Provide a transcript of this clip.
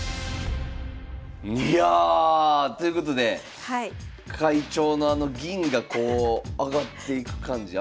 いや！ということで会長のあの銀がこう上がっていく感じ。